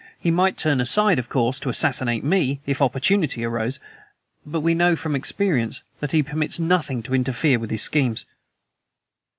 He might turn aside, of course, to assassinate me, if opportunity arose! But we know, from experience, that he permits nothing to interfere with his schemes."